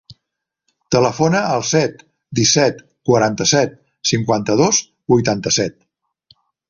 Telefona al set, disset, quaranta-set, cinquanta-dos, vuitanta-set.